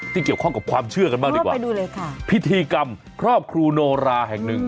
ที่เกี่ยวข้องกับความเชื่อกันมากดีกว่าพิธีกรรมครอบครูโนราแห่งหนึ่ง